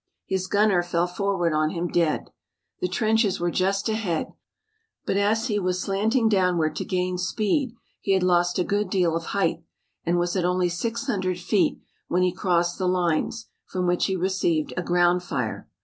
His gunner fell forward on him, dead. The trenches were just ahead, but as he was slanting downward to gain speed he had lost a good deal of height, and was at only six hundred feet when he crossed the lines, from which he received a ground fire.